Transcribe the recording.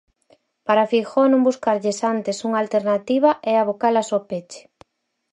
Para Feijóo, non buscarlles antes unha alternativa, é abocalas ao peche.